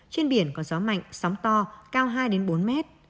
trên biển có gió mạnh sóng to cao hai bốn mét